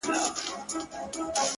o خدايه نری باران پرې وكړې؛